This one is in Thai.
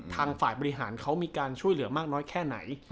ทางฝ่ายบริหารเขามีการช่วยเหลือมากน้อยแค่ไหน